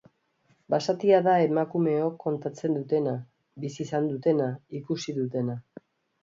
Basatia da emakumeok kontatzen dutena, bizi izan dutena, ikusi dutena.